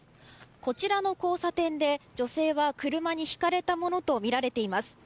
こちらの交差点で女性は車にひかれたものとみられています。